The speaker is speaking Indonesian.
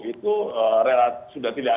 itu sudah dilonggarkan